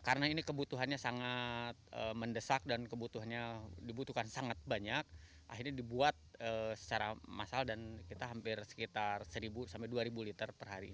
karena ini kebutuhannya sangat mendesak dan kebutuhannya dibutuhkan sangat banyak akhirnya dibuat secara massal dan kita hampir sekitar seribu dua ribu liter per hari